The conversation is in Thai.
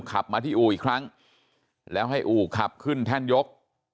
ขับมาที่อู่อีกครั้งแล้วให้อู่ขับขึ้นแท่นยก